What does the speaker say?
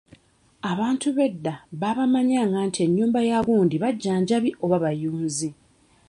Abantu b'eda baabamanyanga nti ennyumba ya gundi bajjanjabi oba bayunzi.